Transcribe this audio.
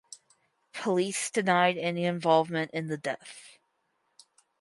Police denied any involvement in the death.